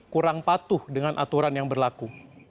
kurang patuh dengan aturan yang berlaku